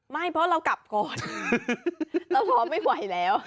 ไม่เพราะเรากลับก่อนเราท้อไม่ไหวแล้ว